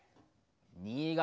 新潟。